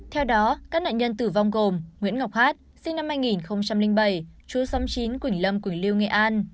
theo đó các nạn nhân tử vong gồm nguyễn ngọc hát sinh năm hai nghìn bảy chú xóm chín quỳnh lâm quỳnh liêu nghệ an